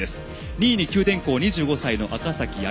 ２位に九電工、２５歳の赤崎暁。